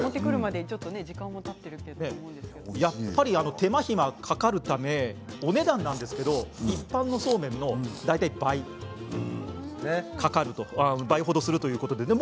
手間暇がかかるためお値段なんですけれど一般のそうめんの大体倍するということです。